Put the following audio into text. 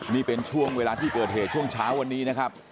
นี่เป็นช่วงเวลาที่เกิดเหตุช่วงเช้าวันนี้นะครับ